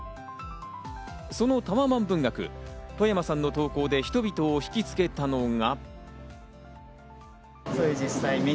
そのタワマン文学、外山さんの投稿で人々を引きつけたのが。